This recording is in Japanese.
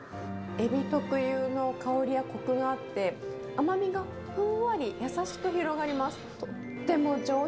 エビ特有の香りやこくがあって、甘みがふんわり優しく広がります。